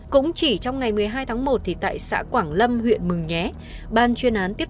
cũng chỉ trong ngày một mươi hai tháng một tại xã quảng lâm huyện mừng nhé